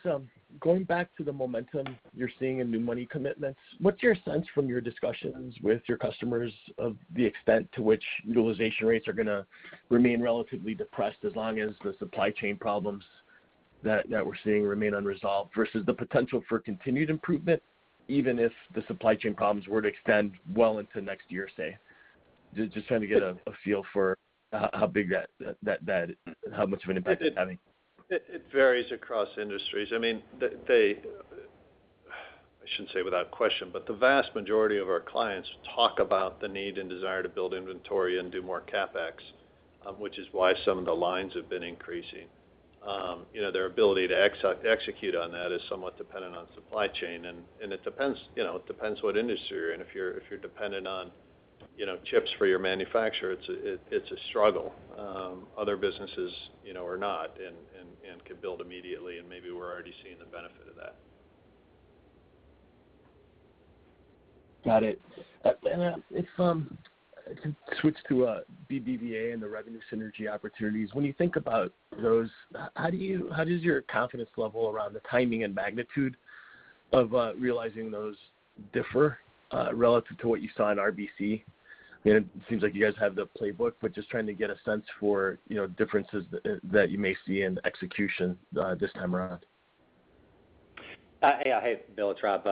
going back to the momentum you're seeing in new money commitments, what's your sense from your discussions with your customers of the extent to which utilization rates are going to remain relatively depressed as long as the supply chain problems that we're seeing remain unresolved versus the potential for continued improvement even if the supply chain problems were to extend well into next year, say? Just trying to get a feel for how much of an impact that's having. It varies across industries. I shouldn't say without question, but the vast majority of our clients talk about the need and desire to build inventory and do more CapEx, which is why some of the lines have been increasing. Their ability to execute on that is somewhat dependent on supply chain, and it depends what industry you're in. If you're dependent on chips for your manufacturer, it's a struggle. Other businesses are not and can build immediately, and maybe we're already seeing the benefit of that. Got it. If I could switch to BBVA and the revenue synergy opportunities. When you think about those, how does your confidence level around the timing and magnitude of realizing those differ relative to what you saw in RBC? It seems like you guys have the playbook, but just trying to get a sense for differences that you may see in execution this time around. Hey, Bill. It's Rob.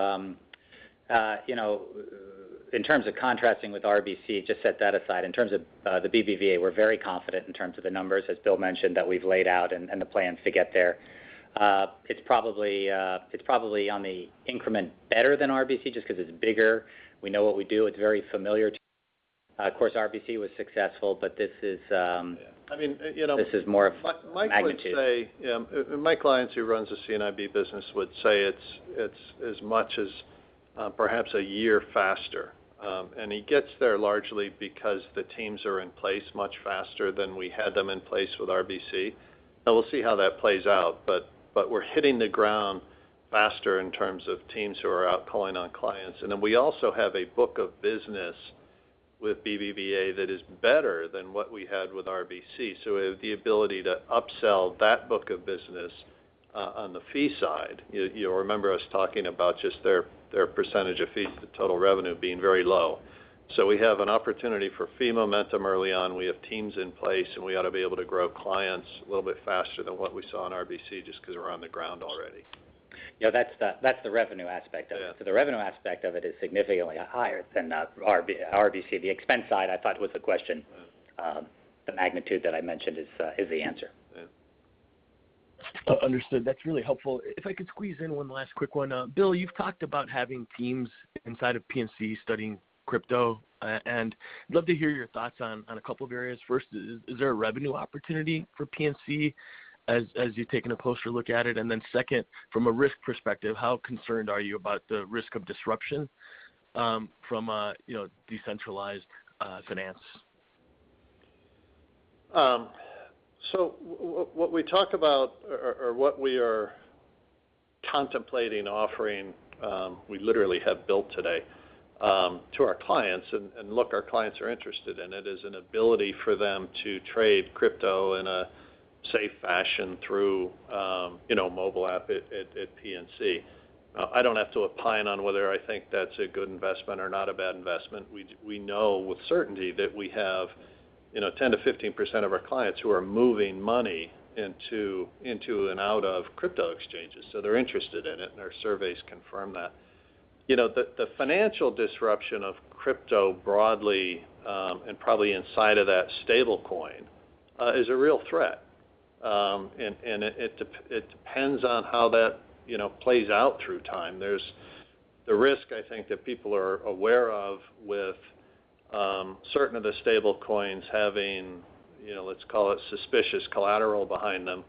In terms of contrasting with RBC, just set that aside. In terms of the BBVA, we're very confident in terms of the numbers, as Bill mentioned, that we've laid out and the plans to get there. It's probably on the increment better than RBC just because it's bigger. We know what we do. It's very familiar to us. Of course, RBC was successful, but I mean, this is more of magnitude- Mike would say, Mike Lyons who runs the C&IB business would say it's as much as perhaps a year faster. He gets there largely because the teams are in place much faster than we had them in place with RBC. Now we'll see how that plays out, but we're hitting the ground faster in terms of teams who are out calling on clients. Then we also have a book of business with BBVA that is better than what we had with RBC, so we have the ability to upsell that book of business on the fee side. You'll remember us talking about just their percentage of fees to total revenue being very low. We have an opportunity for fee momentum early on. We have teams in place, and we ought to be able to grow clients a little bit faster than what we saw in RBC just because we're on the ground already. Yeah, that's the revenue aspect of it. Yeah. The revenue aspect of it is significantly higher than RBC. The expense side I thought was the question. Yeah. The magnitude that I mentioned is the answer. Yeah. Understood. That's really helpful. If I could squeeze in one last quick one. Bill, you've talked about having teams inside of PNC studying crypto, and I'd love to hear your thoughts on a couple of areas. First, is there a revenue opportunity for PNC as you've taken a closer look at it? Then second, from a risk perspective, how concerned are you about the risk of disruption from decentralized finance? What we talked about or what we are contemplating offering, we literally have built today to our clients, and look, our clients are interested in it, is an ability for them to trade crypto in a safe fashion through mobile app at PNC. I don't have to opine on whether I think that's a good investment or not a bad investment. We know with certainty that we have 10%-15% of our clients who are moving money into and out of crypto exchanges, so they're interested in it, and our surveys confirm that. The financial disruption of crypto broadly, and probably inside of that stablecoin, is a real threat. It depends on how that plays out through time. There's the risk I think that people are aware of with certain of the stablecoins having, let's call it suspicious collateral behind them.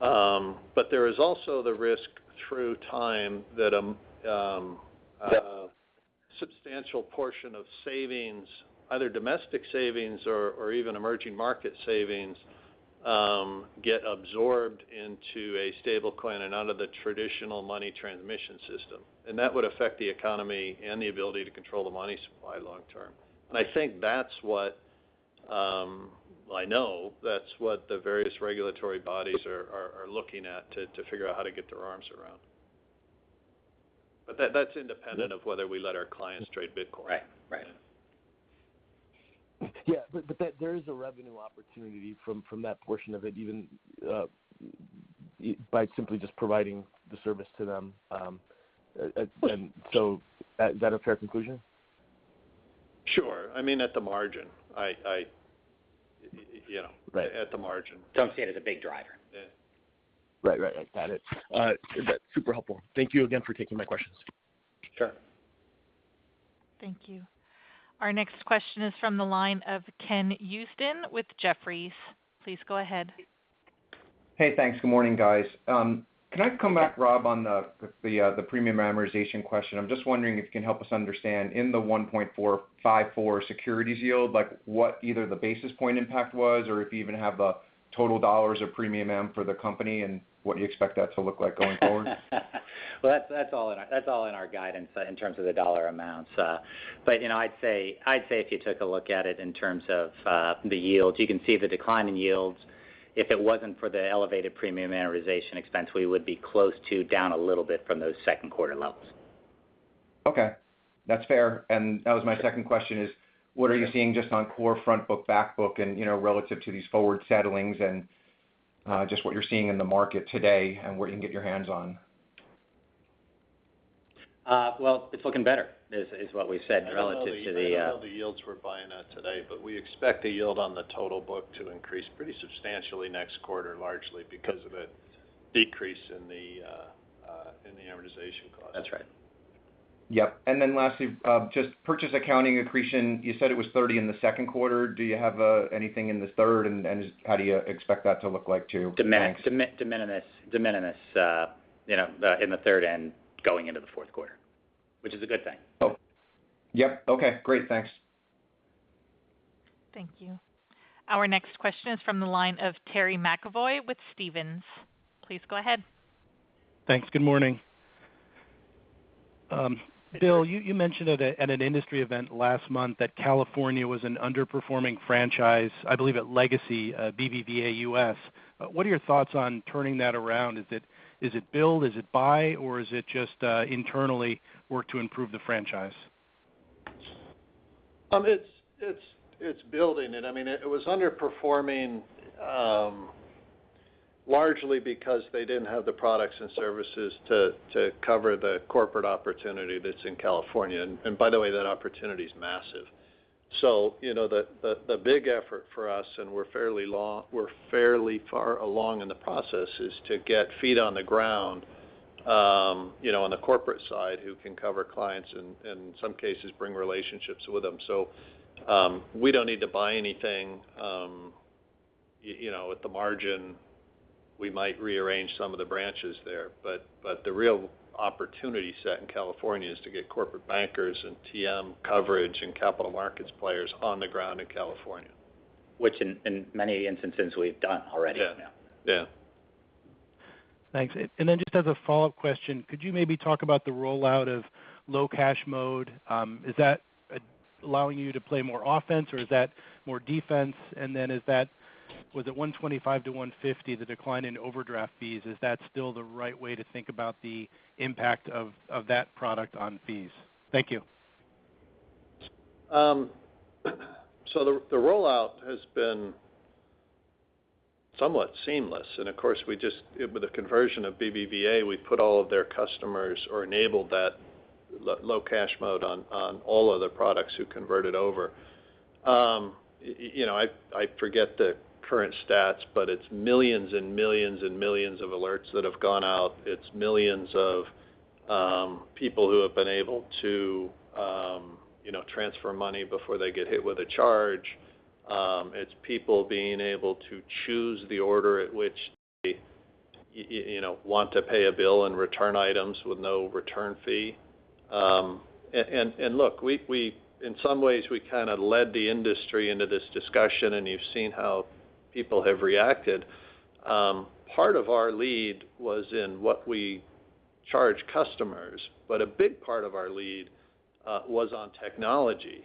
There is also the risk through time that. Yeah substantial portion of savings, either domestic savings or even emerging market savings, get absorbed into a stablecoin and out of the traditional money transmission system. That would affect the economy and the ability to control the money supply long term. I know that's what the various regulatory bodies are looking at to figure out how to get their arms around. That's independent of whether we let our clients trade Bitcoin. Right. Yeah. There is a revenue opportunity from that portion of it, even by simply just providing the service to them. Is that a fair conclusion? Sure. At the margin. Right. At the margin. Don't see it as a big driver. Yeah. Right. Got it. That's super helpful. Thank you again for taking my questions. Sure. Thank you. Our next question is from the line of Ken Usdin with Jefferies. Please go ahead. Hey, thanks. Good morning, guys. Can I come back, Robert, on the premium amortization question? I'm just wondering if you can help us understand, in the 1.454 securities yield, what either the basis point impact was, or if you even have the total dollars of premium am for the company and what you expect that to look like going forward? Well, that's all in our guidance in terms of the dollar amounts. I'd say if you took a look at it in terms of the yields, you can see the decline in yields. If it wasn't for the elevated premium amortization expense, we would be close to down a little bit from those second quarter levels. Okay. That's fair. That was my second question is, what are you seeing just on core front book, back book, and relative to these forward settlings and just what you're seeing in the market today and where you can get your hands on? Well, it's looking better, is what we've said. I don't know the yields we're buying at today, but we expect the yield on the total book to increase pretty substantially next quarter, largely because of a decrease in the amortization cost. That's right. Yep. Lastly, just purchase accounting accretion. You said it was $30 in the second quarter. Do you have anything in the third? How do you expect that to look like too? Thanks. De minimis in the third and going into the fourth quarter, which is a good thing. Yep. Okay, great. Thanks. Thank you. Our next question is from the line of Terry McEvoy with Stephens. Please go ahead. Thanks. Good morning. Bill, you mentioned at an industry event last month that California was an underperforming franchise, I believe at Legacy BBVA U.S. What are your thoughts on turning that around? Is it build? Is it buy? Is it just internally work to improve the franchise? It's building it. It was underperforming largely because they didn't have the products and services to cover the corporate opportunity that's in California. By the way, that opportunity's massive. The big effort for us, and we're fairly far along in the process, is to get feet on the ground on the corporate side who can cover clients, in some cases, bring relationships with them. We don't need to buy anything. At the margin, we might rearrange some of the branches there, but the real opportunity set in California is to get corporate bankers and TM coverage and capital markets players on the ground in California. Which in many instances we've done already. Yeah. Thanks. Just as a follow-up question, could you maybe talk about the rollout of Low Cash Mode? Is that allowing you to play more offense, or is that more defense? Was it $125-$150, the decline in overdraft fees? Is that still the right way to think about the impact of that product on fees? Thank you. The rollout has been somewhat seamless. Of course, with the conversion of BBVA, we put all of their customers or enabled that Low Cash Mode on all of the products who converted over. I forget the current stats, but it's millions and millions and millions of alerts that have gone out. It's millions of people who have been able to transfer money before they get hit with a charge. It's people being able to choose the order at which they want to pay a bill and return items with no return fee. Look, in some ways, we kind of led the industry into this discussion, and you've seen how people have reacted. Part of our lead was in what we charge customers, but a big part of our lead was on technology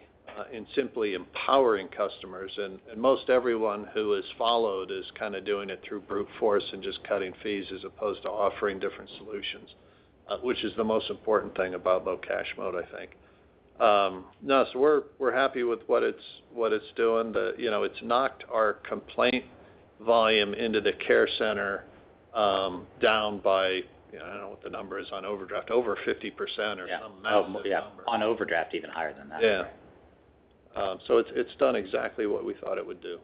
and simply empowering customers. Most everyone who has followed is kind of doing it through brute force and just cutting fees as opposed to offering different solutions, which is the most important thing about Low Cash Mode, I think. No, we're happy with what it's doing. It's knocked our complaint volume into the care center down by, I don't know what the number is on overdraft, over 50% or some massive number. Yeah. On overdraft, even higher than that. Yeah. It's done exactly what we thought it would do.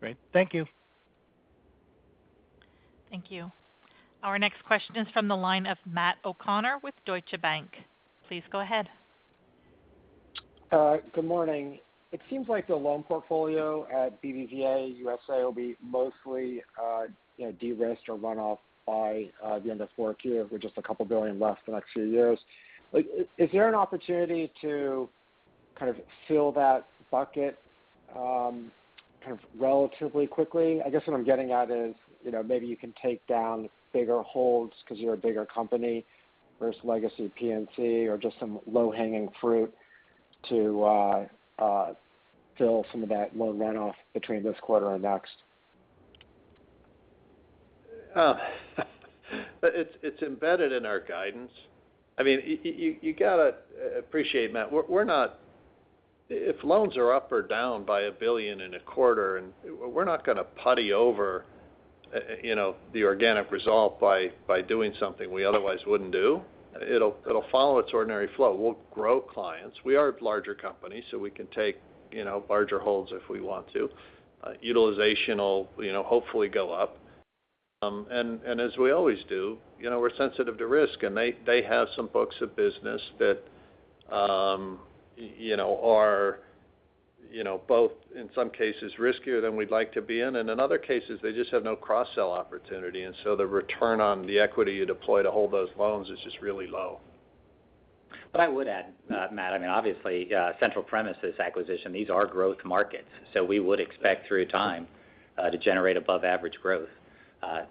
Great. Thank you. Thank you. Our next question is from the line of Matt O'Connor with Deutsche Bank. Please go ahead. Good morning. It seems like the loan portfolio at BBVA USA will be mostly de-risked or run off by the end of fourth Q with just $2 billion left the next few years. Is there an opportunity to kind of fill that bucket kind of relatively quickly? I guess what I'm getting at is maybe you can take down bigger holds because you're a bigger company versus legacy PNC or just some low-hanging fruit to fill some of that loan runoff between this quarter and next. It's embedded in our guidance. You've got to appreciate, Matt, if loans are up or down by $1 billion in a quarter, we're not going to putty over the organic result by doing something we otherwise wouldn't do. It'll follow its ordinary flow. We'll grow clients. We are a larger company, so we can take larger holds if we want to. Utilization will hopefully go up. As we always do, we're sensitive to risk, and they have some books of business that are both, in some cases, riskier than we'd like to be in. In other cases, they just have no cross-sell opportunity. The return on the equity you deploy to hold those loans is just really low. I would add, Matt, obviously, central premise to this acquisition, these are growth markets. We would expect through time to generate above-average growth.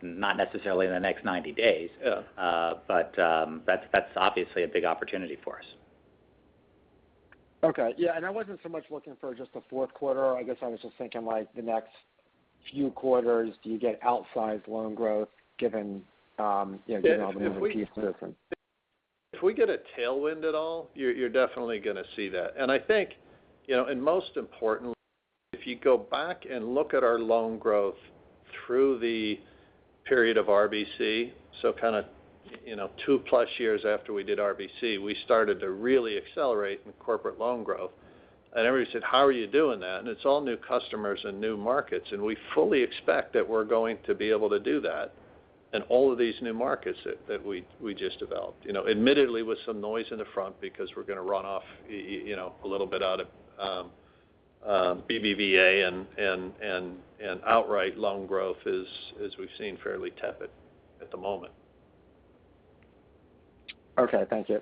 Not necessarily in the next 90 days. Yeah That's obviously a big opportunity for us. Okay. Yeah, I wasn't so much looking for just the fourth quarter. I guess I was just thinking like the next few quarters. Do you get outsized loan growth given all the new pieces? If we get a tailwind at all, you're definitely going to see that. I think, most importantly, if you go back and look at our loan growth through the period of RBC, so kind of two plus years after we did RBC, we started to really accelerate in corporate loan growth. Everybody said, "How are you doing that?" It's all new customers and new markets, and we fully expect that we're going to be able to do that in all of these new markets that we just developed. Admittedly, with some noise in the front because we're going to run off a little bit out of BBVA and outright loan growth is, as we've seen, fairly tepid at the moment. Okay. Thank you.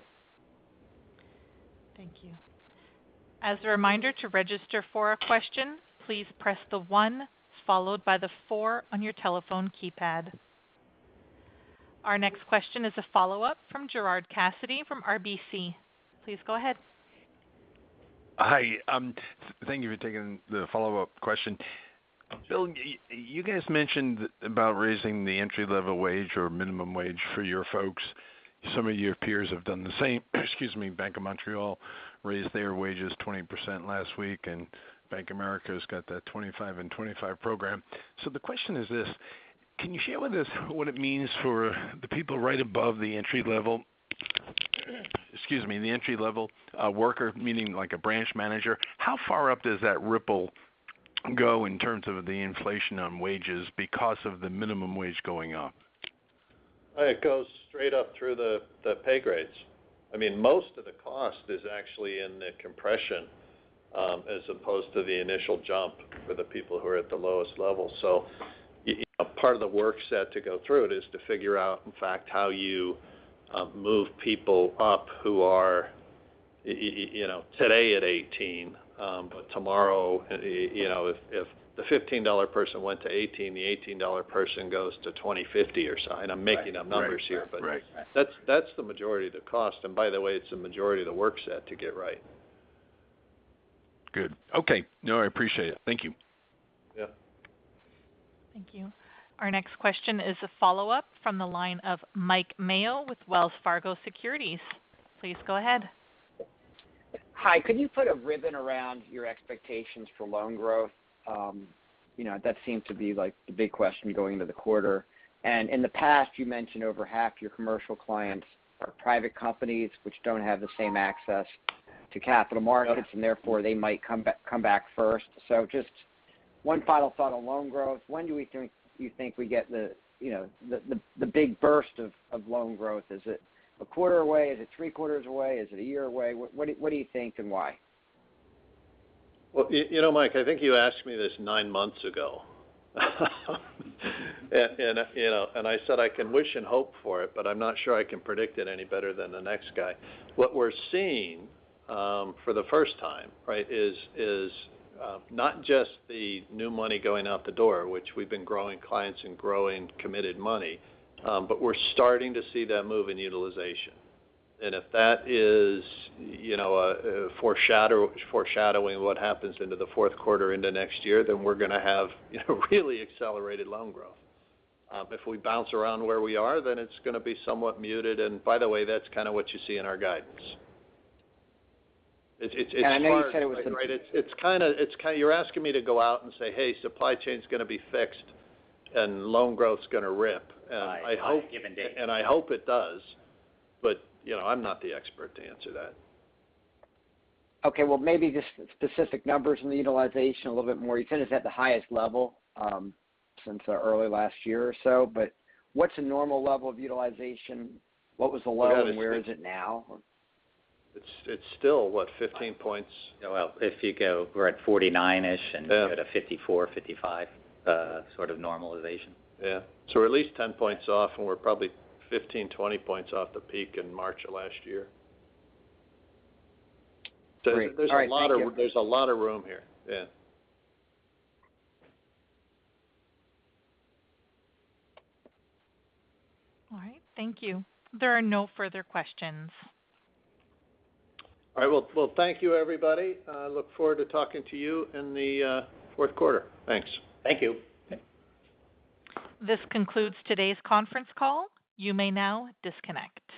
Thank you. Our next question is a follow-up from Gerard Cassidy from RBC. Please go ahead. Hi. Thank you for taking the follow-up question. Bill, you guys mentioned about raising the entry-level wage or minimum wage for your folks. Some of your peers have done the same. Excuse me. Bank of America raised their wages 20% last week, and Bank of America's got that $25 in 2025 program. The question is this: can you share with us what it means for the people right above the entry level? Excuse me. The entry-level worker, meaning like a branch manager. How far up does that ripple go in terms of the inflation on wages because of the minimum wage going up? It goes straight up through the pay grades. Most of the cost is actually in the compression as opposed to the initial jump for the people who are at the lowest level. Part of the work set to go through it is to figure out, in fact, how you move people up who are today at $18. Tomorrow, if the $15 person went to $18, the $18 person goes to $20.50 or so. I'm making up numbers here. Right. That's the majority of the cost. By the way, it's the majority of the work set to get right. Good. Okay. No, I appreciate it. Thank you. Yeah. Thank you. Our next question is a follow-up from the line of Mike Mayo with Wells Fargo Securities. Please go ahead. Hi. Could you put a ribbon around your expectations for loan growth? That seems to be the big question going into the quarter. In the past, you mentioned over half your commercial clients are private companies which don't have the same access to capital markets, and therefore they might come back first. Just one final thought on loan growth. When do you think we get the big burst of loan growth? Is it a quarter away? Is it three quarters away? Is it a year away? What do you think and why? Mike, I think you asked me this nine months ago. I said I can wish and hope for it, but I'm not sure I can predict it any better than the next guy. What we're seeing for the first time is not just the new money going out the door, which we've been growing clients and growing committed money, but we're starting to see that move in utilization. If that is foreshadowing what happens into the fourth quarter into next year, then we're going to have really accelerated loan growth. If we bounce around where we are, then it's going to be somewhat muted. By the way, that's kind of what you see in our guidance. And I know you said it was- You're asking me to go out and say, "Hey, supply chain's going to be fixed and loan growth's going to rip. By a given date. I hope it does. I'm not the expert to answer that. Okay. Well, maybe just specific numbers on the utilization a little bit more. You said it's at the highest level since early last year or so, but what's a normal level of utilization? What was the low and where is it now? It's still, what, 15 points? Well, if you go, we're at 49-ish and go to 54, 55 sort of normalization. Yeah. We're at least 10 points off, and we're probably 15, 20 points off the peak in March of last year. Great. All right. Thank you. There's a lot of room here. Yeah. All right. Thank you. There are no further questions. All right. Well, thank you, everybody. I look forward to talking to you in the fourth quarter. Thanks. Thank you. This concludes today's conference call. You may now disconnect.